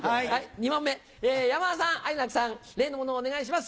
山田さん愛楽さん例のものお願いします。